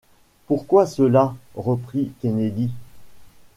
Pourquoi cela ? reprit Kennedy.